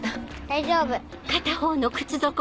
大丈夫。